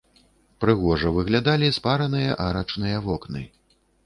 Прыгожа выглядалі спараныя арачныя вокны.